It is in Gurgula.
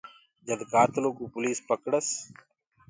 جد ڪآتلو ڪوُ پوليس پڪڙس۔